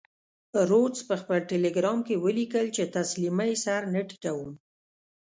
رودز په خپل ټیلګرام کې ولیکل چې تسلیمۍ سر نه ټیټوم.